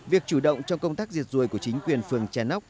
việc chủ động trong công tác diệt ruồi của chính quyền phường trà nóc